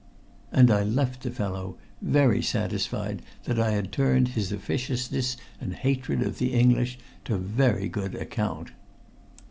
And I left the fellow, very satisfied that I had turned his officiousness and hatred of the English to very good account.